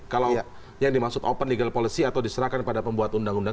kalau yang dimaksud open legal policy atau diserahkan pada pembuat undang undang